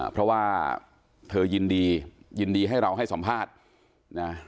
เพราะว่าเธอยินดียินดีให้เราให้สัมภาษณ์นะ